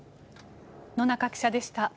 野中記者でした。